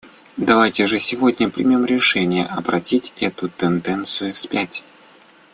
Давайте же сегодня примем решение обратить эту тенденцию вспять.